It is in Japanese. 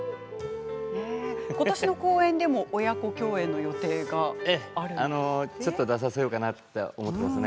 今年の公演でも親子共演の予定があるそうですね。